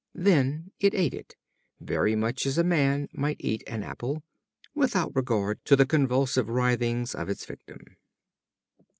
Then it ate it, very much as a man might eat an apple, without regard to the convulsive writhings of its victim.